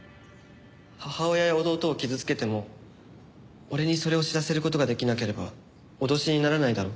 母親や弟を傷つけても俺にそれを知らせる事ができなければ脅しにならないだろ？